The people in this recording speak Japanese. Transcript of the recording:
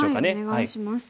はいお願いします。